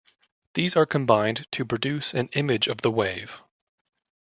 These are combined to produce an image of the wave.